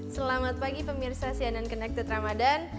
selamat pagi pemirsa cnn connected ramadan